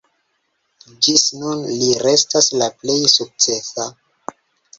Ĝis nun li restas la plej sukcesa.